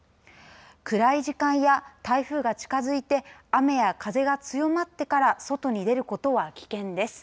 暗い時間や台風が近づいて雨や風が強まってから外に出ることは危険です。